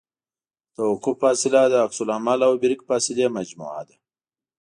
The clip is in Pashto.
د توقف فاصله د عکس العمل او بریک فاصلې مجموعه ده